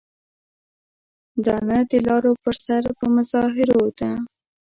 دا نه د لارو پر سر په مظاهرو ده.